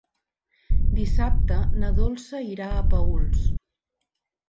Dissabte na Dolça irà a Paüls.